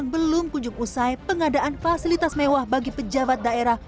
belum kunjung usai pengadaan fasilitas mewah bagi pejabat daerah